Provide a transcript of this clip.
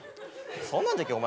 そんなんじゃけえお前